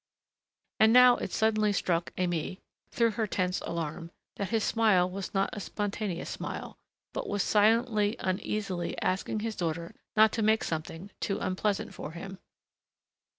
And now it suddenly struck Aimée, through her tense alarm, that his smile was not a spontaneous smile, but was silently, uneasily asking his daughter not to make something too unpleasant for him